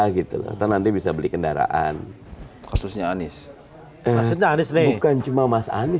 gitu nanti bisa beli kendaraan khususnya anies maksudnya anies bukan cuma mas anies